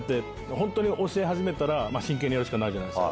教え始めたら真剣にやるしかないじゃないですか。